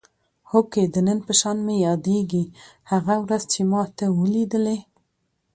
هوکې د نن په شان مې یادېږي هغه ورځ چې ما ته ولیدلې.